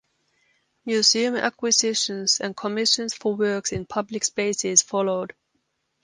Museum acquisitions and commissions for works in public spaces followed.